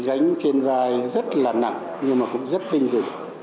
gánh trên vai rất là nặng nhưng mà cũng rất vinh dự